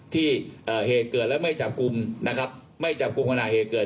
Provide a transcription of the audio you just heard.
ที่เหตุเกิดแล้วไม่จับกลุ่มนะครับไม่จับกลุ่มขณะเหตุเกิด